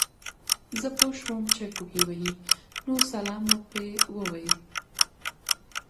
زۀ پوهه شوم چې کوهے وهي نو سلام مو پرې ووې